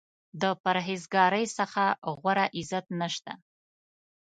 د پرهیز ګارۍ څخه غوره عزت نشته.